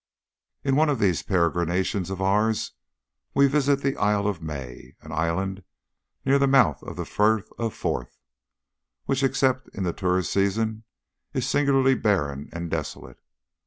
In one of these peregrinations of ours we visited the Isle of May, an island near the mouth of the Firth of Forth, which, except in the tourist season, is singularly barren and desolate.